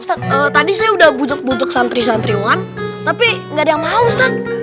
ustadz tadi saya udah bujuk bujuk santri santriwan tapi gak ada yang mau ustadz